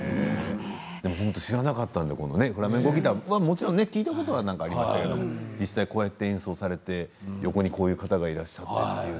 本当に知らなかったのでフラメンコギターは、もちろん聴いたことはありましたけど実際こうやって演奏されて横にこういう方がいらっしゃって。